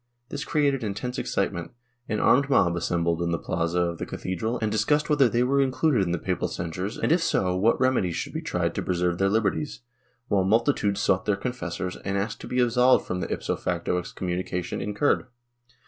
This created intense excitement; an armed mob assembled in the plaza of the cathedral and discussed whether they were included in the papal censures and if so what remedies should be tried to preserve their liberties, while multitudes sought their confessors and asked to be absolved from the ipso facto excom munication incurred.